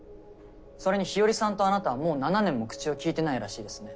それに日和さんとあなたはもう７年も口を利いてないらしいですね。